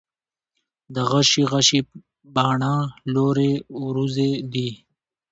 دا غشي غشي باڼه، لورې وروځې دي